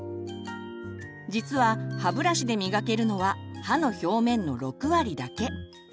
実は歯ブラシで磨けるのは歯の表面の６割だけ。